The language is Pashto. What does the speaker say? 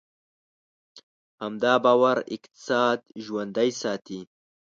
همدا باور اقتصاد ژوندی ساتي.